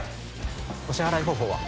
・お支払い方法は？